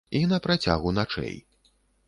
І на працягу начэй.